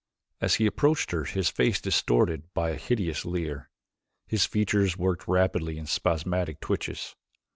As he approached her, his face distorted by a hideous leer, his features worked rapidly in spasmodic twitches.